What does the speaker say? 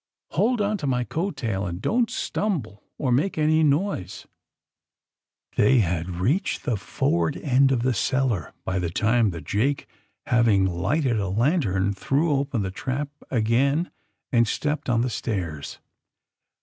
Hold on to my coat tail, and don't stumble or make any noise." 82 THE SUBMARINE BOYS They had reached the forward end of the cel lar by the time that Jake, having lighted a lantern, threw open the trap again and stepped on the stairs.